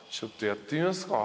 やってみますか？